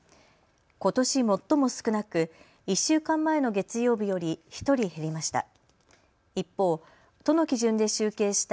ことし最も少なく、１週間前の月曜日より１人減りました。